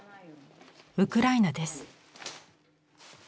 ウクライナです。